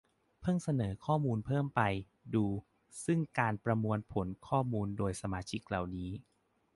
เพิ่งเสนอเพิ่มไป ดู ซึ่งการประมวลผลข้อมูลโดยสมาชิกเหล่านี้